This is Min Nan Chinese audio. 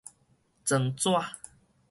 狀紙